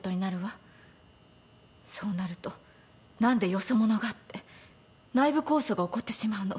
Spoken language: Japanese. そうなると何でよそ者が？って内部抗争が起こってしまうの。